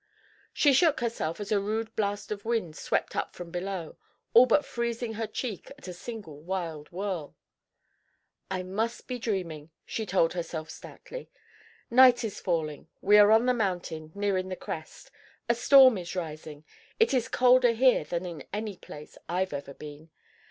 She shook herself as a rude blast of wind swept up from below, all but freezing her cheek at a single wild whirl. "I must stop dreaming," she told herself stoutly. "Night is falling. We are on the mountain, nearing the crest. A storm is rising. It is colder here than in any place I have ever been.